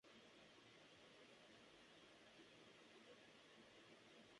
Sin embargo, sus ojos proceden de Dash de "Los Increíbles".